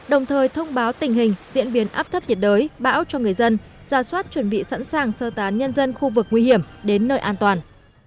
đồng thời thông báo tình hình diễn biến áp thấp nhiệt đới bão cho người dân ra soát chuẩn bị sẵn sàng sơ tán nhân dân khu vực nguy hiểm đến nơi an toàn